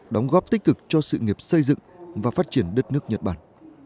đóng góp tích cực cho sự nghiệp xây dựng và phát triển đất nước nhật bản